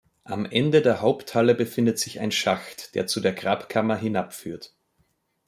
Am Ende der Haupthalle befindet sich ein Schacht, der zu der Grabkammer hinab führt.